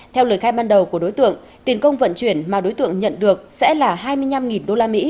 theo lời khai ban đầu của đối tượng tiền công vận chuyển mà đối tượng nhận được sẽ là hai mươi năm usd